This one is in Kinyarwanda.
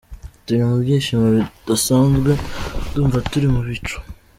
Turi mu byishimo bidasanzwe, ndumva turi mu bicu.